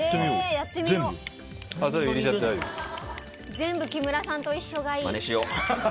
全部、木村さんと一緒がいい。